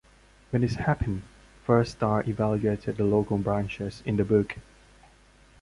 When this happened, Firstar evaluated the local branches in Dubuque.